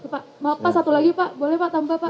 pak mau pak satu lagi pak boleh pak tambah pak